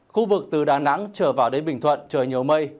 khu vực từ đà nẵng trở vào đến bình thuận trời nhiều mây